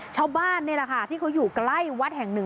ชาวบ้านนี่แหละค่ะที่เขาอยู่ใกล้วัดแห่งหนึ่ง